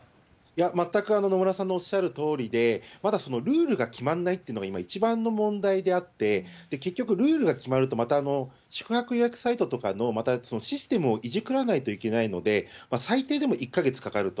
全く野村さんのおっしゃるとおりで、まだそのルールが決まらないというのが今、一番の問題であって、結局ルールが決まると、また宿泊予約サイトとかのシステムをいじくらないといけないので、最低でも１か月かかると。